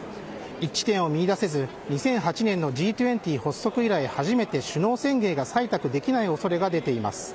一致点を見いだせず、２００８年のＧ２０発足以来初めて首脳宣言が採択できないおそれが出ています。